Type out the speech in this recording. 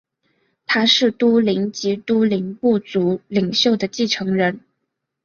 他是都灵及都灵部族领袖的继承人。